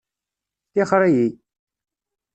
Tixxeṛ-iyi!